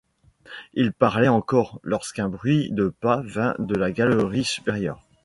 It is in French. Il parlait encore, lorsqu’un bruit de pas vint de la galerie supérieure.